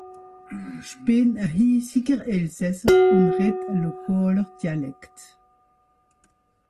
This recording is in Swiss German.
Bén a Häsiger Elssaser, un rèd a lokàla dialekt.